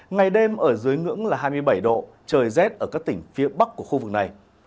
ngày đêm ở dưới ngưỡng là hai mươi bảy độ trời rét ở các tỉnh phía bắc của khu vực này